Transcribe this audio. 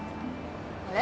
あれ？